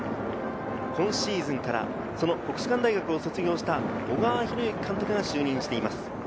今シーズンから国士舘大学を卒業した小川博之監督が就任しています。